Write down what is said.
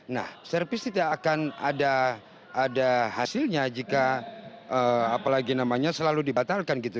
nah servis tidak akan ada hasilnya jika apalagi namanya selalu dibatalkan gitu